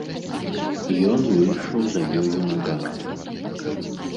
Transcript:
Ён выйшаў за ёю на ганак.